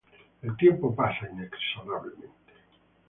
El tiempo pasa inexorablemente.